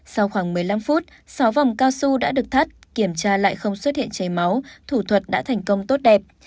sau khoảng một mươi năm phút sáu vòng cao su đã được thắt kiểm tra lại không xuất hiện cháy máu thủ thuật đã thành công tốt đẹp